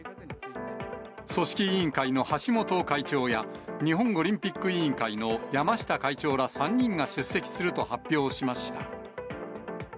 組織委員会の橋本会長や、日本オリンピック委員会の山下会長ら３人が出席すると発表しました。